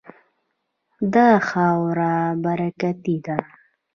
دا خاوره برکتي ده.